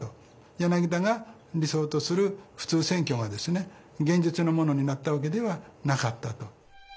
柳田が理想とする普通選挙が現実のものになったわけではなかったと。